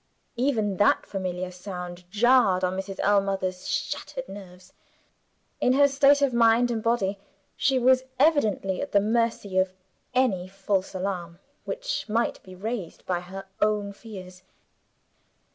Even that familiar sound jarred on Mrs. Ellmother's shattered nerves. In her state of mind and body, she was evidently at the mercy of any false alarm which might be raised by her own fears.